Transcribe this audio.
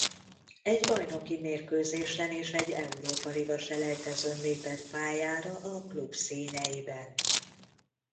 Egy bajnoki mérkőzésen és egy Európa-liga-selejtezőn lépett pályára a klub színeiben.